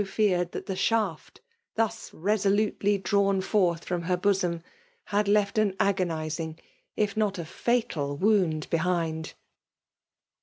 fbared that the shaft thus resolutely drawn forth from her bosom, had left an agonizing, if not a fatal wound behind.